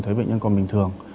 thấy bệnh nhân còn bình thường